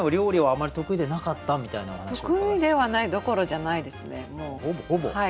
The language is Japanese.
得意ではないどころじゃないですね。